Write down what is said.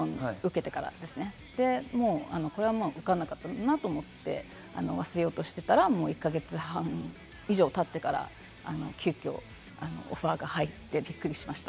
受からなかったと思って忘れようとしていたら、１か月半以上経ってから急きょオファーが入りました。